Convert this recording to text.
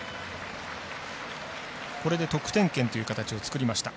これで得点圏という形を作りました。